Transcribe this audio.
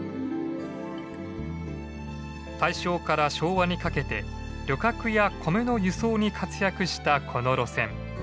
大正から昭和にかけて旅客や米の輸送に活躍したこの路線。